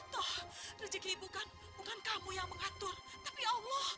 tuh rezeki ibu kan bukan kamu yang mengatur tapi allah